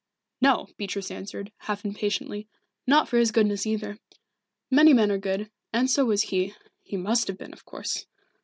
"No," Beatrice answered, half impatiently. "Not for his goodness either. Many men are good, and so was he he must have been, of course.